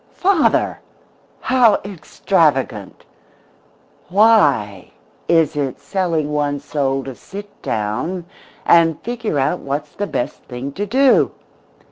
"Father! How extravagant! Why is it selling one's soul to sit down and figure out what's the best thing to do?"